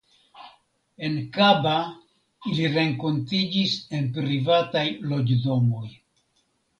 En Kaba ili renkontiĝis en privataj loĝdomoj.